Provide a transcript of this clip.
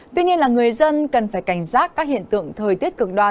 tuy nhiên là người dân cần phải cảnh giác các hiện tượng thời tiết cực đoan